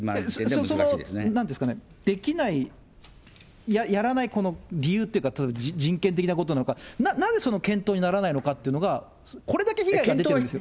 そのなんですかね、できない、やらない理由っていうか、人権的なことなのか、なぜその検討にならないのかということが、これだけ被害が出てるんですよ。